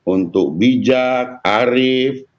untuk bijak arif